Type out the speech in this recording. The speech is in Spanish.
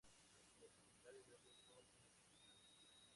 Los ejemplares grandes son una excepción.